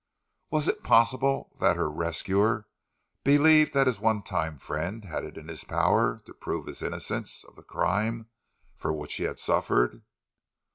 Was it possible that her rescuer believed that his one time friend had it in his power to prove his innocence of the crime for which he had suffered?